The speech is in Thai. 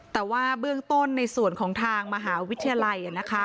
แต่ว่าเบื้องต้นในส่วนของทางมหาวิทยาลัย